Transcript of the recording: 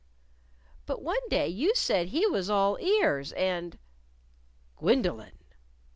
"But one day you said he was all ears, and " "Gwendolyn!"